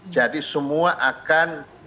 jadi semua akan langsung